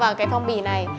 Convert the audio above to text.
vào cái phong bì này